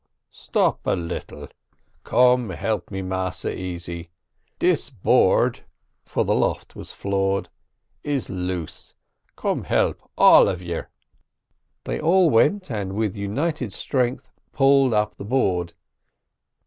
stop a little." "Come, help me, Massa Easy; dis board (for the loft was floored) is loose, come help, all of you." They all went, and with united strength pulled up the board.